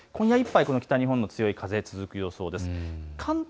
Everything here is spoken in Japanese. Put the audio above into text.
今夜いっぱい北日本の強い風は続く予想です。